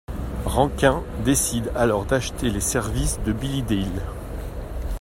Rankin décide alors d'acheter les services de Billy Deal.